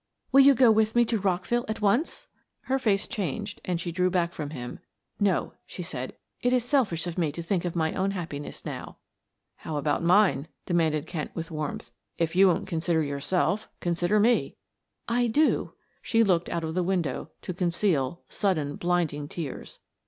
"Will you go with me to Rockville at once?" Her face changed and she drew back from him. "No," she said. "It is selfish of me to think of my own happiness now." "How about mine?" demanded Kent with warmth. "If you won't consider yourself, consider me." "I do." She looked out of the window to conceal sudden blinding tears.